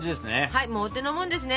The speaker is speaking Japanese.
はいもうお手のもんですね。